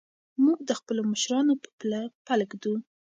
موږ د خپلو مشرانو په پله پل ږدو.